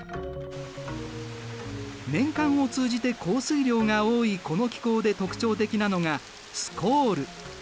年間を通じて降水量が多いこの気候で特徴的なのがスコール。